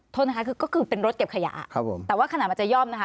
โทษนะคะคือก็คือเป็นรถเก็บขยะครับผมแต่ว่าขนาดมันจะย่อมนะคะ